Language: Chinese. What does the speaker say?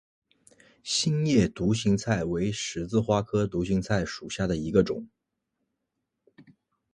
心叶独行菜为十字花科独行菜属下的一个种。